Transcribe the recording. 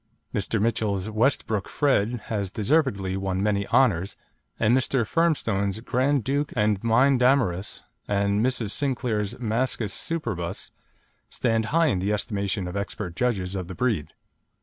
Mr. Mitchell's Westbrook Fred has deservedly won many honours, and Mr. Firmstone's Grand Duke and Mynd Damaris, and Mrs. Sinclair's Mascus Superbus, stand high in the estimation of expert judges of the breed.